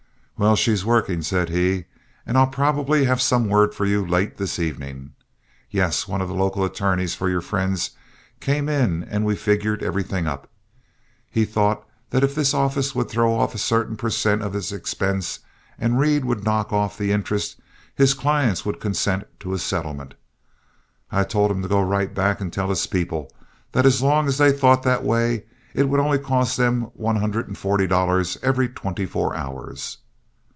"Well, she's working," said he, "and I'll probably have some word for you late this evening. Yes, one of the local attorneys for your friends came in and we figured everything up. He thought that if this office would throw off a certain per cent. of its expense, and Reed would knock off the interest, his clients would consent to a settlement. I told him to go right back and tell his people that as long as they thought that way, it would only cost them one hundred and forty dollars every twenty four hours."